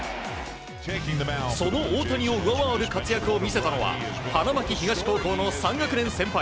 その大谷を上回る活躍を見せたのは花巻東高校の３学年先輩